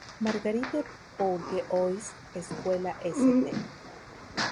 Marguerite-Bourgeois, Escuela St.